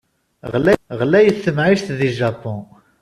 Ɣlayet temɛict di Japan.